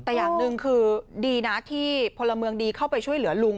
แต่อย่างหนึ่งคือดีนะที่พลเมืองดีเข้าไปช่วยเหลือลุง